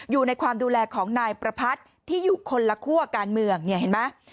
อยู่ในความดูแลของนายประพัทธ์ที่อยู่คนละคั่วการเมืองเนี่ยเห็นไหม